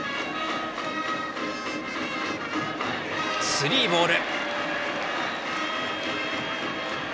スリーボール。